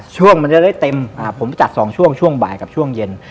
ช่วงมันจะได้เต็มผมจัด๒ช่วงช่วงบ่ายกับช่วงเย็น